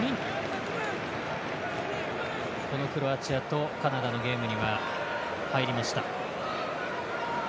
このクロアチアとカナダのゲームには入りました。